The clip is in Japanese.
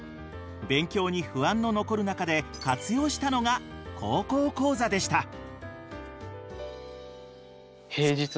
勉強に不安の残る中で活用したのが「高校講座」でした。